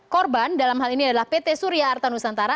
korban dalam hal ini adalah pt surya arta nusantara